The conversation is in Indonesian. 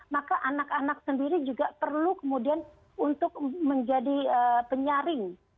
maka anak anak sendiri juga perlu kemudian untuk menjadi penyaring